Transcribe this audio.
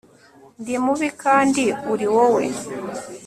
Ndi mubi kandi uri wowe